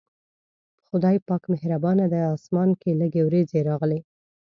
خدای پاک مهربانه دی، اسمان کې لږې وريځې راغلې.